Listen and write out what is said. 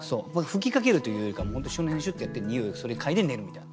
吹きかけるというよりかは本当にその辺にシュッてやって匂いを嗅いで寝るみたいな。